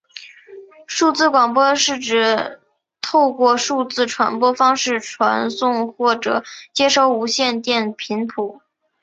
数字广播是指透过数字传播方式传送或者接收无线电频谱。